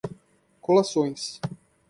Colações